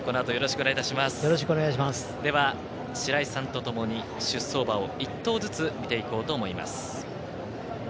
では、白井さんとともに出走馬を１頭ずつ見ていこうと思います。